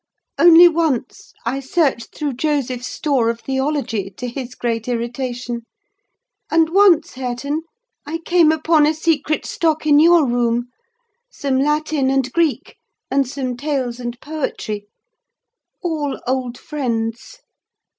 Only once, I searched through Joseph's store of theology, to his great irritation; and once, Hareton, I came upon a secret stock in your room—some Latin and Greek, and some tales and poetry: all old friends.